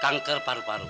kanker paru paru dok